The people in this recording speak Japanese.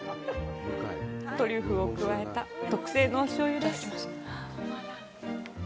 トリュフを加えた特製のお醤油です。